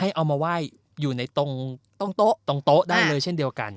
เอามาไหว้อยู่ในตรงโต๊ะตรงโต๊ะได้เลยเช่นเดียวกัน